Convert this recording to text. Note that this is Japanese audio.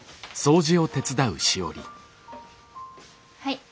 はい。